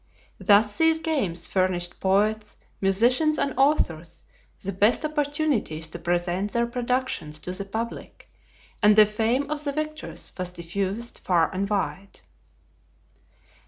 Thus these games furnished poets, musicians, and authors the best opportunities to present their productions to the public, and the fame of the victors was diffused far and wide.